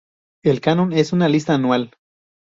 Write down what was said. El Canon es una lista anual.